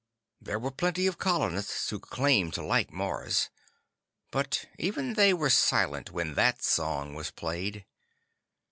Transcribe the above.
There were plenty of colonists who claimed to like Mars, but even they were silent when that song was played.